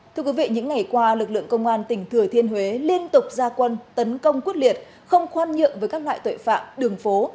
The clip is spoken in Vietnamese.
thưa quý vị những ngày qua lực lượng công an tỉnh thừa thiên huế liên tục ra quân tấn công quyết liệt không khoan nhượng với các loại tội phạm đường phố